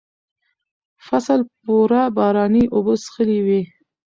فصل پوره باراني اوبه څښلې وې.